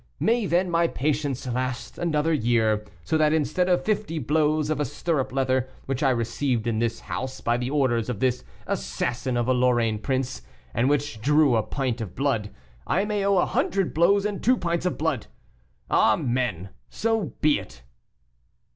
May, then, my patience last another year, so that instead of fifty blows of a stirrup leather which I received in this house by the orders of this assassin of a Lorraine prince, and which drew a pint of blood, I may owe a hundred blows and two pints of blood! Amen, so be it!"